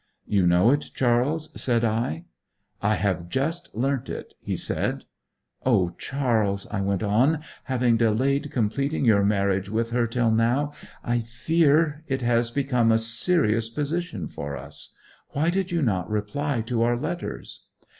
'You know it, Charles?' said I. 'I have just learnt it,' he said. 'O, Charles,' I went on, 'having delayed completing your marriage with her till now, I fear it has become a serious position for us. Why did you not reply to our letters?'